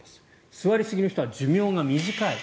座りすぎの人は寿命が短い。